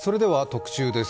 特集です。